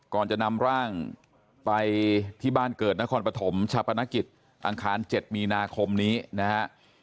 ก่อนจะนำร่างไปที่บ้านเกิดนครปฐมชาปนกิจอังคาร๗มีนาคมนี้นะฮะ